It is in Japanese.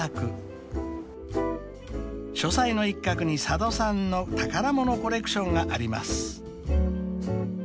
［書斎の一角に佐渡さんの宝物コレクションがあります］